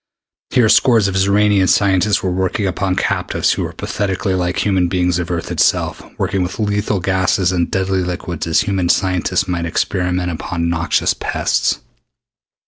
Here scores of Xoranian scientists were working upon captives who were pathetically like human beings of Earth itself, working with lethal gases and deadly liquids as human scientists might experiment upon noxious pests.